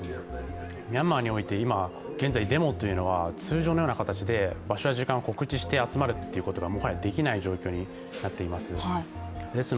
ミャンマーにおいて現在、デモというのは通常のようなことで場所や時間などを告知して集まるということがもはやできない状況になっています。